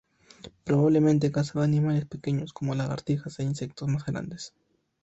Probablemente cazaba animales pequeños como lagartijas e insectos más grandes.